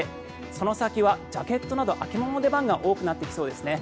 その先はジャケットなど秋物の出番が多くなってきそうですね。